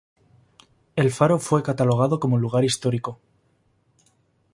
El faro fue catalogado como lugar histórico.